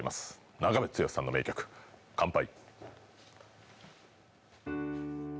長渕剛さんの名曲「乾杯」。